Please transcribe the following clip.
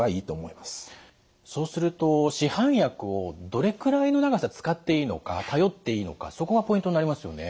そうすると市販薬をどれくらいの長さ使っていいのか頼っていいのかそこがポイントになりますよね。